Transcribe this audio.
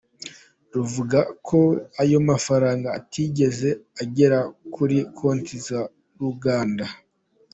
Ruvuga ko ayo mafaranga atigeze agera kuri konti z’uruganda.